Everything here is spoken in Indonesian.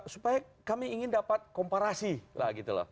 supaya kami ingin dapat komparasi